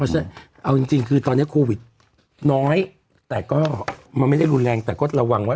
ใช่เอาจริงคือตอนนี้โควิดน้อยแต่ก็มันไม่ได้รุนแรงแต่ก็ระวังว่า